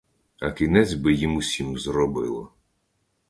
А кінець би їм усім зробило.